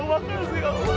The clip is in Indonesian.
makasih ya allah